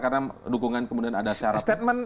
karena dukungan kemudian ada syarapin